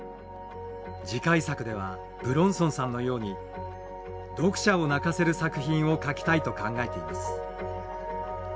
次回作では武論尊さんのように読者を泣かせる作品を描きたいと考えています。